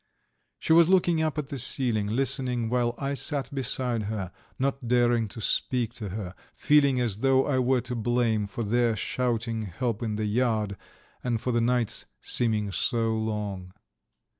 She was looking up at the ceiling, listening, while I sat beside her, not daring to speak to her, feeling as though I were to blame for their shouting "help" in the yard and for the night's seeming so long.